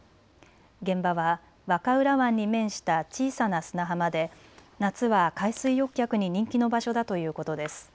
現場は和歌浦湾に面した小さな砂浜で夏は海水浴客に人気の場所だということです。